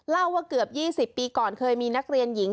เล่าว่าเกือบ๒๐ปีก่อนเคยมีนักเรียนหญิง